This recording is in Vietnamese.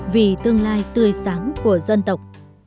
vì tương lai tươi sáng của dân tộc